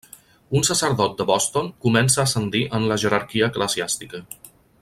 Un sacerdot de Boston comença a ascendir en la jerarquia eclesiàstica.